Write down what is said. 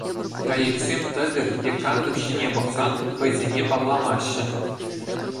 Кайӑксем тӗкӗр е кантӑк ҫине пӑхсан, хӑйсене палламаҫҫӗ.